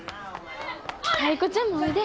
タイ子ちゃんもおいで。